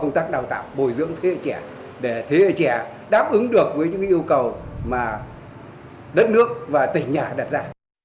công tác đào tạo bồi dưỡng thế hệ trẻ để thế hệ trẻ đáp ứng được với những yêu cầu mà đất nước và tỉnh nhà đặt ra